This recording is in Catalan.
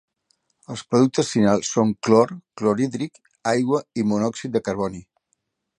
Els productes finals són clor, clorhídric, aigua i monòxid de carboni.